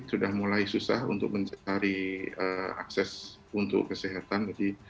sudah mulai susah untuk mencari akses untuk kesehatan